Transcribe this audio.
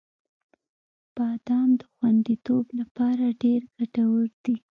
• بادام د خوندیتوب لپاره ډېر ګټور دی.